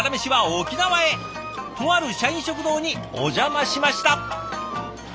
とある社員食堂にお邪魔しました。